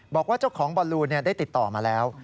บอกว่าเจ้าของบอลลูนได้ติดต่อมาแล้ว